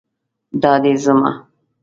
دا دی ځمه